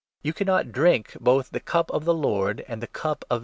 You 21 cannot drink both the Cup of the Lord and the cup of demons.